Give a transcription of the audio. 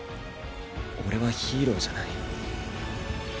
俺はヒーローじゃない。